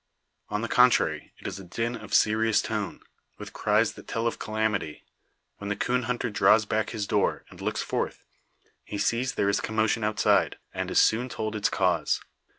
On the contrary, it is a din of serious tone, with cries that tell of calamity. When the coon hunter draws back his door, and looks forth, he sees there is commotion outside; and is soon told its cause.